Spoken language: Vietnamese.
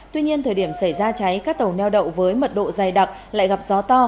tuy nhiên thời điểm xảy ra cháy các tàu neo đậu với mật độ dày đặc lại gặp gió to